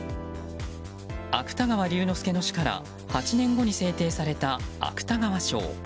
芥川龍之介の死から８年後に制定された芥川賞。